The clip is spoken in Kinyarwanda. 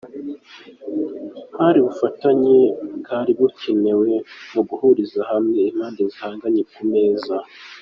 Hari ubufatanye bwari bukenewe mu guhuriza hamwe impande zihanganye ku meza.